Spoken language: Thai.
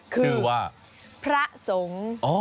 คือว่าพระสงฆ์